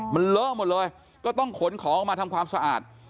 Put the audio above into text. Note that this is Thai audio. มันเลอะหมดเลยก็ต้องขนของออกมาทำความสะอาด